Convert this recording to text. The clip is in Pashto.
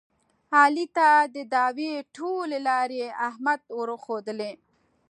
علي ته د دعوې ټولې لارې احمد ورښودلې.